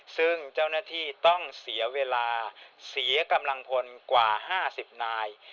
ซึ่งเจ้าหน้าที่ต้องเสียเวลาเสียกำลังพลกว่า๕๐นาย